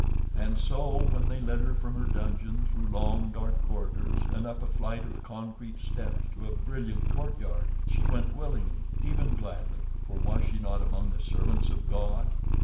And so when they led her from her dungeon, through long, dark corridors, and up a flight of concrete steps to a brilliant courtyard, she went willingly, even gladly—for was she not among the servants of God?